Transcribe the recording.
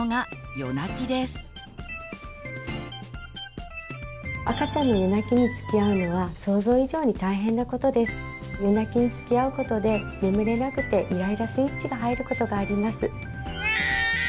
夜泣きにつきあうことで眠れなくてイライラスイッチが入ることがあります。